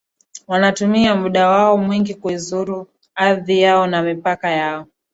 Wanatumia muda wao mwingi kuizuru ardhi yao na mipaka yao